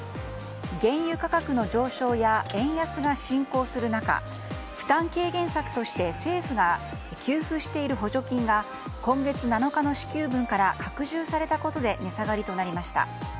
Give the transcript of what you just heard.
原油価格の上昇や円安が進行する中負担軽減策として政府が給付している補助金が今月７日の支給分から拡充されたことで値下がりとなりました。